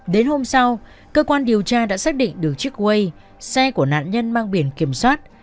đến hôm sau cơ quan điều tra đã xác định được chiếc quay xe của nạn nhân mang biển kiểm soát